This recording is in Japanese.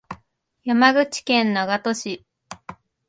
山口県長門市